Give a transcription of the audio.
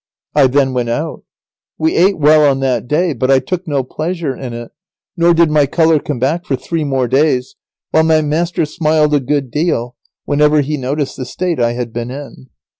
I then went out. We ate well on that day, but I took no pleasure in it, nor did my colour come back for three more days, while my master smiled a good deal, whenever he noticed the state I had been in.